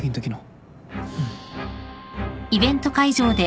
うん。